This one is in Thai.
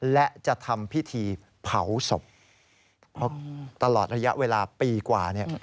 และจะทำพิธีเผาศพเพราะตลอดระยะเวลาปีกว่าเนี่ย